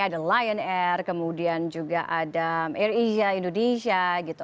ada lion air kemudian juga ada air asia indonesia gitu